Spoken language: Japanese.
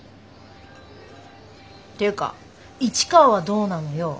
ていうか市川はどうなのよ。